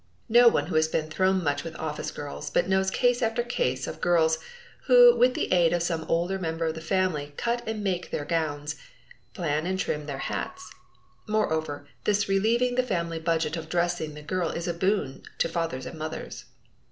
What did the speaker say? No one who has been thrown much with office girls but knows case after case of girls who with the aid of some older member of the family cut and make their gowns, plan and trim their hats. Moreover, this relieving the family budget of dressing the girl is a boon to fathers and mothers.